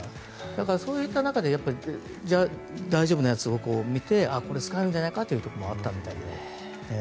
だからそういった中で大丈夫なやつを見てこれは使えるんじゃないかってのもあったみたいで。